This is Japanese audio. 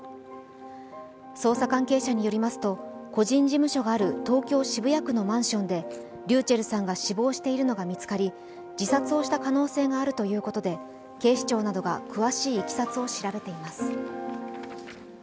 捜査関係者によりますと、個人事務所がある東京・渋谷区のマンションでｒｙｕｃｈｅｌｌさんが死亡しているのが見つかり、自殺をした可能性があるということで、警視庁などが詳しいいきさつを調べています。